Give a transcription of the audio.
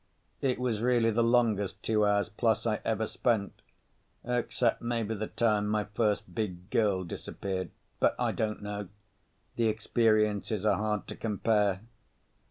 It was really the longest two hours plus I ever spent, except maybe the time my first big girl disappeared. But I don't know. The experiences are hard to compare.